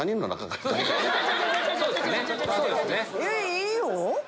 いいよ！